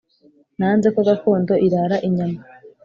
nanze ko gakondo irara inyama